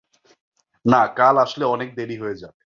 না, কাল আসলে অনেক দেরি হয়ে যাবে।